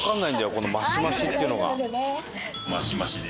このマシマシっていうのが。